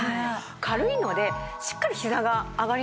軽いのでしっかりひざが上がりますよね。